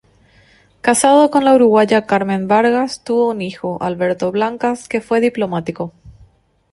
Casado con la uruguaya Carmen Vargas, tuvo un hijo, Alberto Blancas, que fue diplomático.